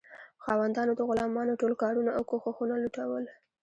خاوندانو د غلامانو ټول کارونه او کوښښونه لوټول.